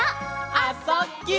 「あ・そ・ぎゅ」